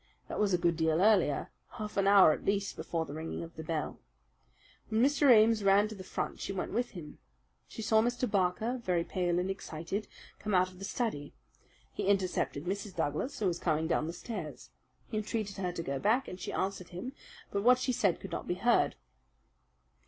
That was a good deal earlier half an hour at least before the ringing of the bell. When Mr. Ames ran to the front she went with him. She saw Mr. Barker, very pale and excited, come out of the study. He intercepted Mrs. Douglas, who was coming down the stairs. He entreated her to go back, and she answered him, but what she said could not be heard.